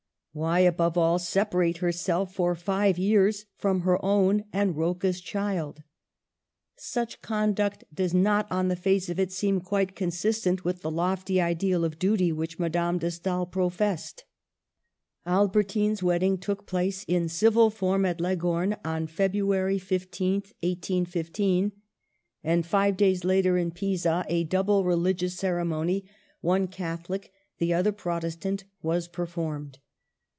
Why, above all, separate herself for five years from her own and Rocca's child ? Such conduct does not on the face of it seem quite consistent with the lofty ideal of duty which Madame de Stael pro fessed. Albertine's wedding took place in civil form at Leghorn on February 15 th, 1815; and five Digitized by VjOOQIC 198 MADAME DE STAEL. days later in Pisa a double religious ceremony, one Catholic, the other Protestant, was performed.